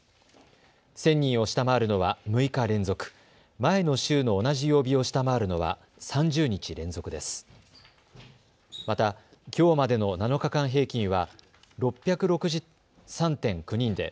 １０００人を下回るのは６日連続、前の週の同じ曜日を下回るのは３０日連続です。